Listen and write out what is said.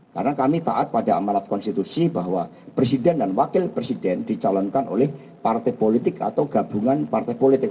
karena kami taat pada amalat konstitusi bahwa presiden dan wakil presiden dicalonkan oleh partai politik atau gabungan partai politik